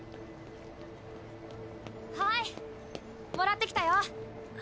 はいもらってきたよ！